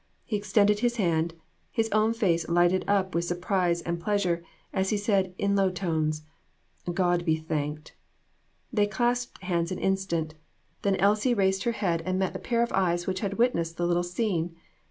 He extended his hand, his own face lighted up with surprise and pleas ure, as he said, in low tones "God be thanked." They clasped hands an instant. Then Elsie 308 AN EVENTFUL AFTERNOON. raised her head and met the pair of eyes which had witnessed the little scene.